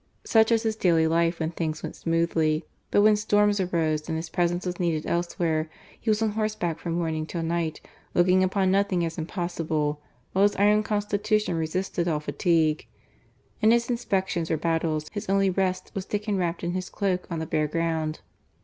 Siich was his daily life when things went smoothly. But when storms arose, and his presence was needed elsewhere, he was on horseback from morning till night, looking upon nothing as impossible, while his iron constitution resisted all fatigue. In his inspections or battles, his only rest was taken wrapped in his cloak on the bare ground.